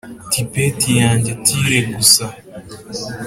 tippet yanjye tulle gusa.